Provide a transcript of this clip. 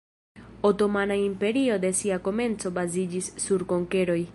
Otomana Imperio de sia komenco baziĝis sur konkeroj.